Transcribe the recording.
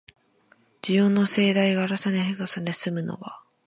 需要の盛大が粗製濫造の弊を伴わないで済むのは、